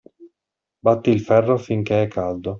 Batti il ferro finché è caldo.